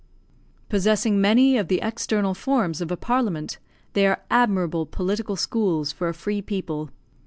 Possessing many of the external forms of a parliament, they are admirable political schools for a free people.